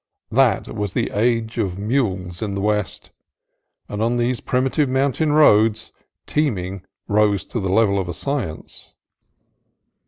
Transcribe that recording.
That was the Age of Mules in the West, and on these primitive mountain roads teaming rose to the level of a science.